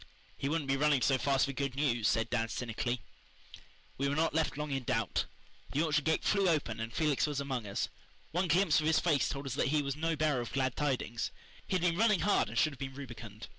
"He wouldn't be running so fast for good news," said Dan cynically. We were not left long in doubt. The orchard gate flew open and Felix was among us. One glimpse of his face told us that he was no bearer of glad tidings. He had been running hard and should have been rubicund.